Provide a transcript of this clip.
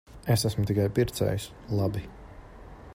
Es esmu tikai pircējs. Labi.